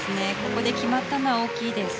ここで決まったのは大きいです。